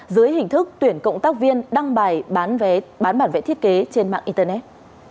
dưới hình thức tuyển cộng tác viên đăng bài bán bản vẽ thiết kế trên mạng internet